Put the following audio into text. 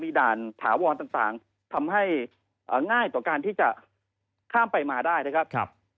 ด่านถาวรต่างทำให้ง่ายต่อการที่จะข้ามไปมาได้นะครับ